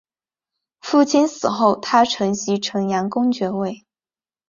父亲死后他承袭城阳公爵位。